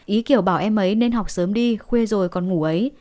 ý kiểu bảo em ấy nên học sớm đi khuê rồi còn ngủ ấy